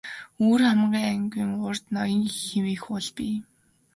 Өвөрхангай аймгийн урд Ноён хэмээх уул бий.